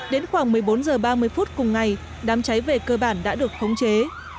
đến khoảng một mươi bốn h ba mươi phút cùng ngày đám cháy về cơ bản đã được khống chế